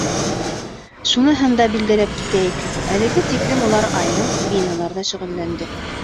Шуныһын да билдәләп китәйек: әлегә тиклем улар айырым биналарҙа шөғөлләнде.